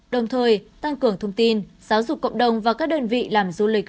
đồng thời tăng cường thông tin giáo dục cộng đồng và các đơn vị làm du lịch